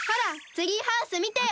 ツリーハウスみてよ！